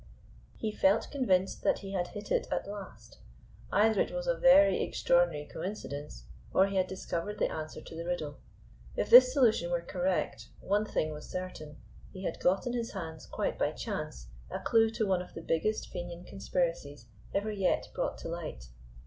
He felt convinced that he had hit it at last. Either it was a very extraordinary coincidence, or he had discovered the answer to the riddle. If this solution were correct, one thing was certain, he had got in his hands, quite by chance, a clue to one of the biggest Fenian conspiracies ever yet brought to light.